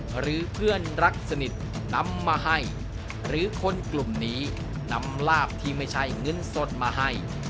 หรือเพื่อนรักสนิทนำมาให้หรือคนกลุ่มนี้นำลาบที่ไม่ใช่เงินสดมาให้